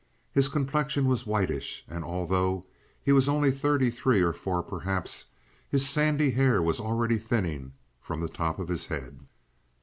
His complexion was whitish, and although he was only thirty three or four perhaps, his sandy hair was already thinning from the top of his head.